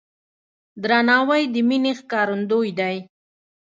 درناوی د مینې ښکارندوی دی.